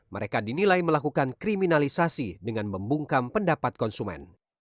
mereka dinilai melakukan kriminalisasi dengan membungkam pendapat konsumen